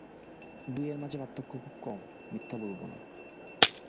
দুয়ের মাঝে পার্থক্য খুব কম, মিথ্যা বলব না।